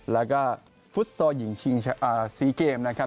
แล้วก็ฟุตซอลหญิงชิง๔เกมนะครับ